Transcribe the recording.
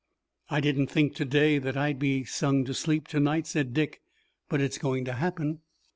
"I didn't think today that I'd be sung to sleep tonight," said Dick, "but it's going to happen."